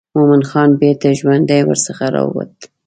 مومن خان بیرته ژوندی ورڅخه راووت.